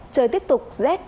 trời tiếp tục rét